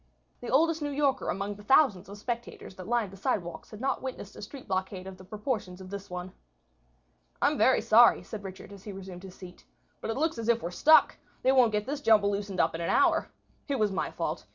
The oldest New Yorker among the thousands of spectators that lined the sidewalks had not witnessed a street blockade of the proportions of this one. "I'm very sorry," said Richard, as he resumed his seat, "but it looks as if we are stuck. They won't get this jumble loosened up in an hour. It was my fault.